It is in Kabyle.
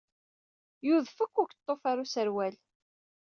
Yudef-ak ukeḍḍuf ɣer userwal.